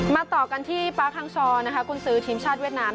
มาต่อกันที่ปลาคังชอนะคะกุลซื้อทีมชาติเวียดนาม